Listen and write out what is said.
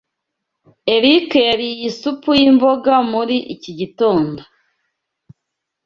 Eric yariye isupu yimboga muri iki gitondo.